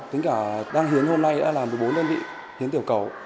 tính cả đang hiến hôm nay đã làm một mươi bốn đơn vị hiến tiểu cầu